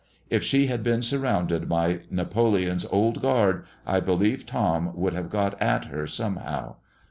If she had been surrounded by Napoleon's Old Guard I believe Tom would have got at her somehow.